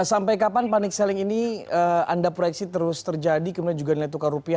sampai kapan panik selling ini anda proyeksi terus terjadi kemudian juga nilai tukar rupiah